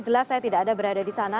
jelas saya tidak ada berada di sana